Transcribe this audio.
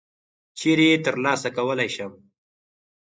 چیري یې ترلاسه کړلای شم ؟